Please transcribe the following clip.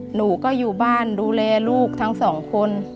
หนูก็อยู่บ้านดูแลลูกทั้งสองคน